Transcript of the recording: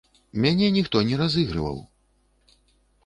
Мяне ніхто не разыгрываў.